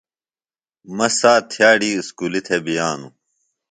مہ سات تھئاڈی اسکولیۡ تھےۡ بئانوۡ۔